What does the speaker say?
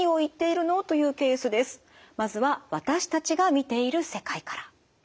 まずは私たちが見ている世界から。